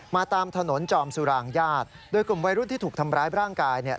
ตามถนนจอมสุรางญาติโดยกลุ่มวัยรุ่นที่ถูกทำร้ายร่างกายเนี่ย